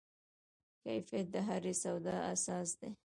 کیفیت د هرې سودا اساس دی.